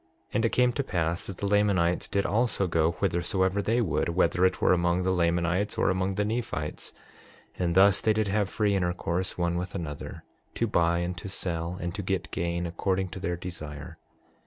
6:8 And it came to pass that the Lamanites did also go whithersoever they would, whether it were among the Lamanites or among the Nephites; and thus they did have free intercourse one with another, to buy and to sell, and to get gain, according to their desire.